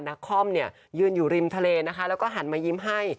คอมเนี่ยยืนอยู่ริมทะเลนะคะแล้วก็หันมายิ้มให้